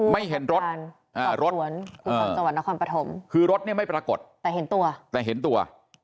ไม่เห็นรถคือรถไม่ปรากฎแต่เห็นตัว